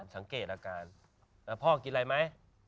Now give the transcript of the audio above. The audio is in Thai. สังเกตอาการพ่อกินอะไรไหม